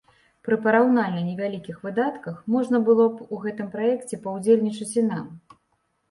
Пры параўнальна невялікіх выдатках можна было б у гэтым праекце паўдзельнічаць і нам.